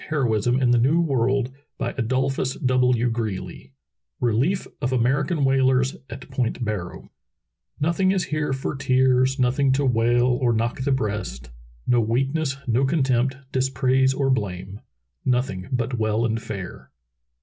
RELIEF OF AMERICAN WHALERS AT POINT BARROW RELIEF OF AMERICAN WHALERS AT POINT BARROW " Nothing is here for tears, nothing to wail Or knock the breast; no weakness, no contempt. Dispraise or blame: nothing but well and fair."